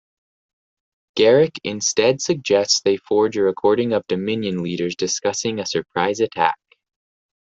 Garak instead suggests they forge a recording of Dominion leaders discussing a surprise attack.